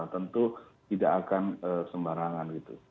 tentu tidak akan sembarangan gitu